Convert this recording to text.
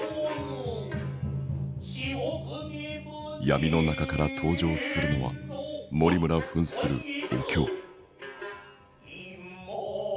闇の中から登場するのは森村ふんするお京。